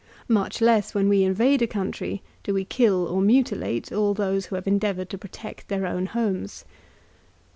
Much less when we invade a country do we kill or mutilate all those who have endeavoured to protect their own homes.